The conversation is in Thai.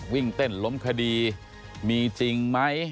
วิ่งเต้นล้มคดีมีจริงไหม